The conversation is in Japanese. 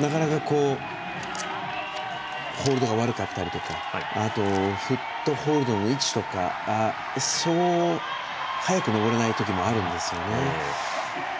なかなかホールドが悪かったりとかあと、フットホールドの位置とかそう早く登れないときもあるんですよね。